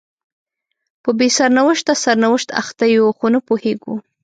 په بې سرنوشته سرنوشت اخته یو خو نه پوهیږو